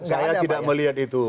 saya tidak melihat itu